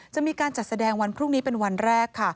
จะมีการจัดแสดงวันพรุ่งนี้เป็นวันแรกค่ะ